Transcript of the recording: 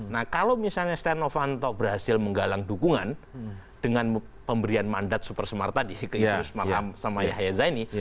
nah kalau misalnya sten novanto berhasil menggalang dukungan dengan pemberian mandat supersmart tadi ke idris maham sama yahya zaini